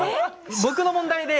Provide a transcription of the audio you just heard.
僕の問題で。